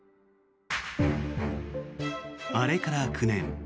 あれから９年。